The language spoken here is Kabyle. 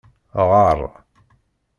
Ɣar!